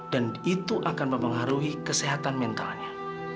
dan itu akan mempengaruhi kesehatan mentalnya